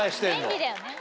便利だよね。